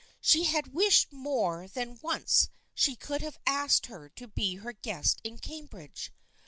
She had wished more than once that she could have asked her to be her guest in Cambridge.